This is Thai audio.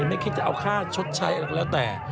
ไม่คิดจะเอาค่าชดใช้แล้วแต่